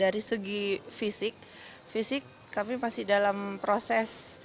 dari segi fisik fisik kami masih dalam proses